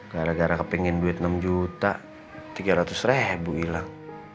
gara gara kepingin duit enam juta tiga ratus bu hilang